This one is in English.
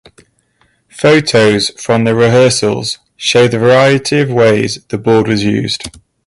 Photos from the rehearsals show the variety of ways the board was used.